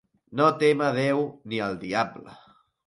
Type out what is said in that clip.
No témer Déu ni el diable.